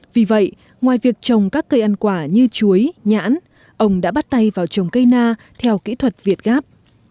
vì vậy ngoài việc trồng các cây ăn quả như chuối nhãn ông đã bắt tay vào trồng cây na theo kỹ thuật việt gáp